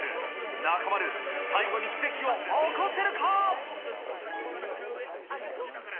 中丸、最後に奇跡を起こせるか。